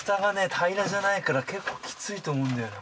平らじゃないから結構きついと思うんだよな